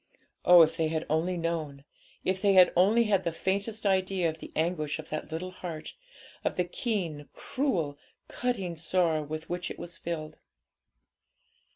Oh, if they had only known! if they had only had the faintest idea of the anguish of that little heart, of the keen, cruel, cutting sorrow with which it was filled!